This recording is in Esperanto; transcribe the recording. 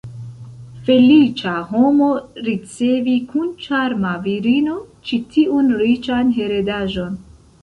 Feliĉa homo, ricevi kun ĉarma virino ĉi tiun riĉan heredaĵon!